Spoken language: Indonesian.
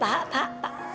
pak pak pak